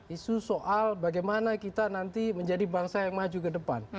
isu soal bagaimana kita nanti menjadi bangsa yang maju ke depan